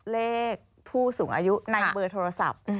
เลขผู้สูงอายุในเบอร์โทรศัพท์